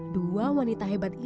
dua wanita hebat dan keras